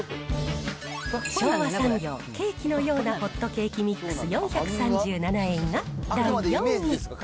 昭和産業、ケーキのようなホットケーキミックス４３７円が第４位。